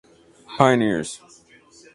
Pioneers!